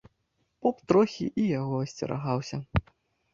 Поп трохі і яго асцерагаўся.